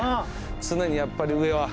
常にやっぱり上は。